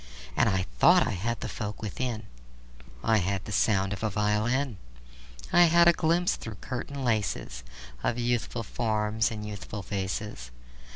And I thought I had the folk within: I had the sound of a violin; I had a glimpse through curtain laces Of youthful forms and youthful faces.